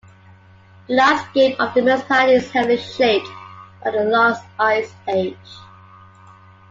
The landscape of the municipality is heavily shaped by the last ice age.